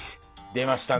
出ましたね！